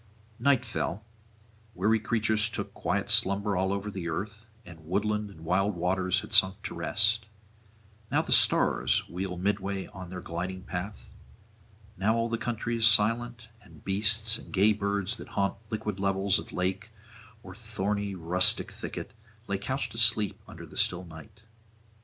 Night fell; weary creatures took quiet slumber all over earth, and woodland and wild waters had sunk to rest; now the stars wheel midway on their gliding path, now all the country is silent, and beasts and gay birds that haunt liquid levels of lake or thorny rustic thicket lay couched asleep under the still night.